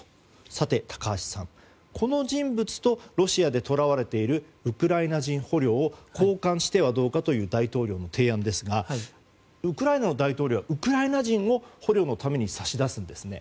さて、高橋さん、この人物とロシアでとらわれているウクライナ人捕虜を交換してはどうかという大統領の提案ですがウクライナの大統領はウクライナ人を捕虜のために差し出すんですね。